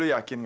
suara kan aku